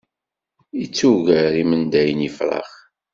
Ittuger imendayen ifrax.